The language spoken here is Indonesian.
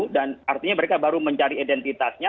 dan artinya mereka baru mencari identitasnya